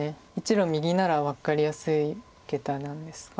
１路右なら分かりやすいゲタなんですが。